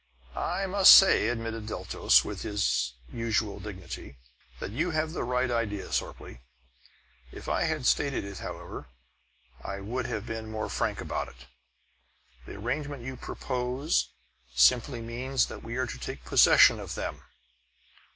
"I must say," admitted Deltos, with his usual dignity, "that you have the right idea, Sorplee. If I had stated it, however, I should have been more frank about it. The arrangements you propose simply means that we are to take possession of them!"